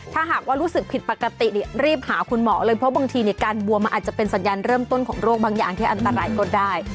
ถ้าหากว่ารู้สึกผิดปกติรีบหาคุณหมอเลยเพราะบางทีการบวมมันอาจจะเป็นสัญญาณเริ่มต้นของโรคบางอย่างที่อันตรายก็ได้